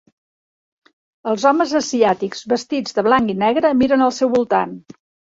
Els homes asiàtics vestits de blanc i negre miren al seu voltant.